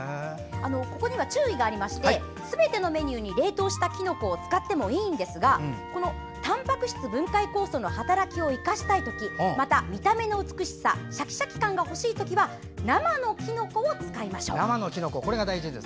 ここには注意がありましてすべてのメニューに冷凍したきのこを使ってもいいんですがたんぱく質分解酵素の働きを生かしたい時また、見た目の美しさシャキシャキ感が欲しい時は生のきのこを使いましょう。